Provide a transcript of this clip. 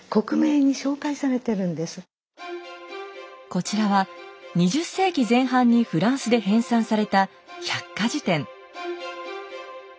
こちらは２０世紀前半にフランスで編纂された百科事典。